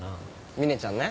「峰ちゃん」ね。